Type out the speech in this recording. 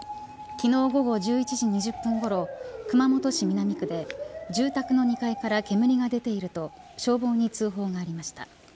昨日、午後１１時２０分ごろ熊本市南区で住宅の２階から煙が出ていると消防に通報がありました。